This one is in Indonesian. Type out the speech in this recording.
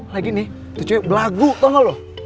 lagi nih tuh cuy belagu tau nggak lo